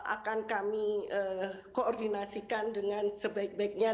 akan kami koordinasikan dengan sebaik baiknya